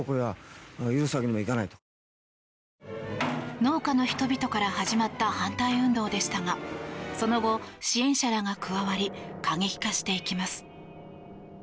農家の人々から始まった反対運動でしたがその後、支援者らが加わり過激化していきます。